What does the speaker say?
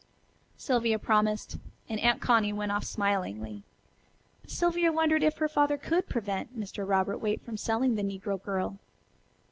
Sylvia promised, and Aunt Connie went off smilingly. But Sylvia wondered if her father could prevent Mr. Robert Waite from selling the negro girl.